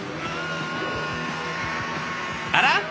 あら？